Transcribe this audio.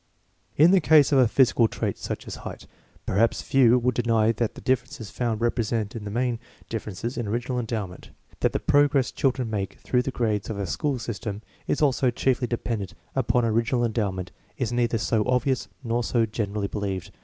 In the case of a physical trait such as height, perhaps few would deny that the differences found represent in the main differences in original endow ment. That the progress children make through the grades of a school system is also chiefly dependent upon original endowment is neither so obvious nor so generally believed.